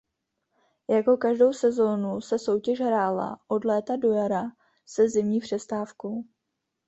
Jako každou sezónu se soutěž hrála od léta do jara se zimní přestávkou.